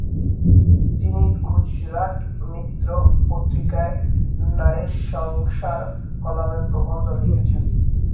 তিনি "গুজরাট মিত্র" পত্রিকায় "নারীর সংসার" কলামে প্রবন্ধ লিখেছেন।